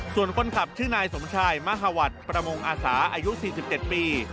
ส่วนคนขับชื่อนายสมชายมหาวัดประมงอาสาอายุ๔๗ปี